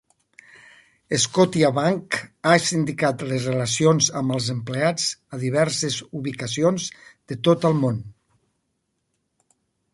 Scotiabank ha sindicat les relacions amb els empleats a diverses ubicacions de tot el món.